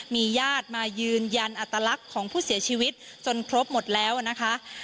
มีญาติมายืนยันอัตลักษณ์ของผู้เสียชีวิตจนครบหมดแล้วนะคะ